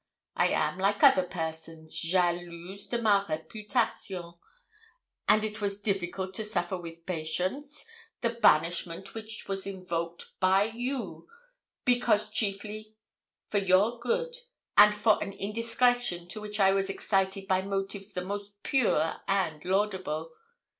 I am, like other persons, jalouse de ma réputation; and it was difficult to suffer with patience the banishment which was invoked by you, because chiefly for your good, and for an indiscretion to which I was excited by motives the most pure and laudable.